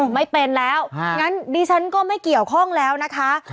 ไม่เป็นแล้วงั้นดิฉันก็ไม่เกี่ยวข้องแล้วนะคะ